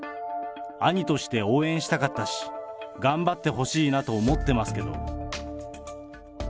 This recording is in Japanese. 兄として応援したかったし、頑張ってほしいなと思ってますけど。